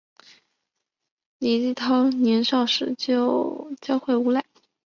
李继韬少年时就狡狯无赖。